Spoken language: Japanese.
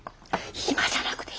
今じゃなくていいよ。